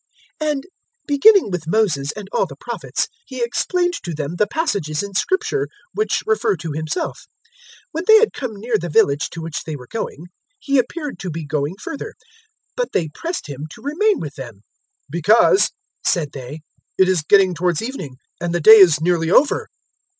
024:027 And, beginning with Moses and all the Prophets, He explained to them the passages in Scripture which refer to Himself. 024:028 When they had come near the village to which they were going, He appeared to be going further. 024:029 But they pressed Him to remain with them. "Because," said they, "it is getting towards evening, and the day is nearly over."